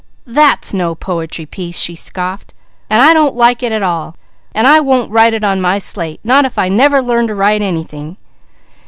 "That's no po'try piece," she scoffed, "an' I don't like it at all, an' I won't write it on my slate; not if I never learn to write anything.